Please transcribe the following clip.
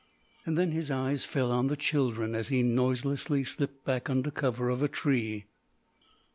Then his eyes fell on the children and he noiselessly slipped back under cover of a tree.